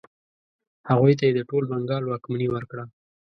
هغوی ته یې د ټول بنګال واکمني ورکړه.